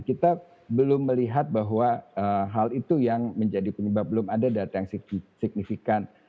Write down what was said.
kita belum melihat bahwa hal itu yang menjadi penyebab belum ada data yang signifikan